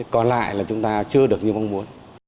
còn lại là chúng ta chưa được như mong muốn